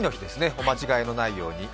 お間違えのないように。